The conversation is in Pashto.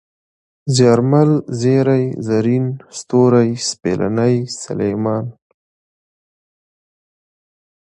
زيارمل ، زېرى ، زرين ، ستوری ، سپېلنی ، سلېمان